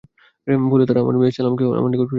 ফলে তারা আমার মেয়ে সালামাকে আমার নিকট ফিরিয়ে দিল।